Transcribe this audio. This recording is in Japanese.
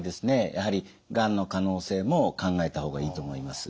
やはりがんの可能性も考えた方がいいと思います。